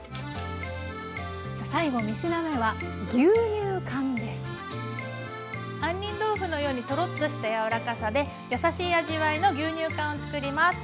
さあ最後３品目は杏仁豆腐のようにトロッとした柔らかさで優しい味わいの牛乳かんを作ります。